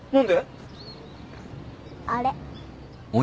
あれ。